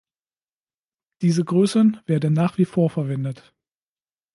Diese Größen werden nach wie vor verwendet.